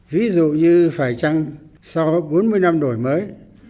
ví dụ như phải chăng sau bốn mươi năm đổi mới